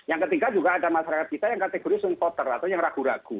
yang ketiga juga ada masyarakat kita yang kategorinya sungkotar atau yang ragu ragu